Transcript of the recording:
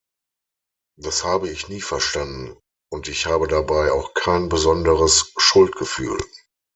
Das habe ich nie verstanden, und ich habe dabei auch kein besonderes Schuldgefühl.